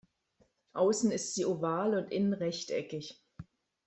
Außen ist sie oval und innen rechteckig.